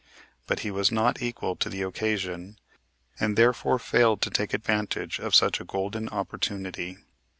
But, he was not equal to the occasion, and therefore failed to take advantage of such a golden opportunity.